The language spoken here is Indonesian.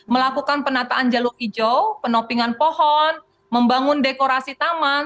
melakukan penataan jalur hijau penopingan pohon membangun dekorasi taman